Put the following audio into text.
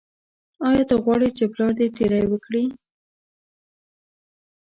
ایا ته غواړې چې پلار دې تیری وکړي.